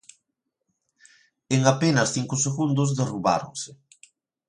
En apenas cinco segundos derrubáronse.